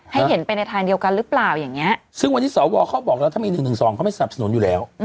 เห็นไปในทางเดียวกันหรือเปล่าอย่างนี้ซึ่งวันนี้สวเขาบอกแล้วถ้ามี๑๑๒เขาไม่สนับสนุนอยู่แล้ว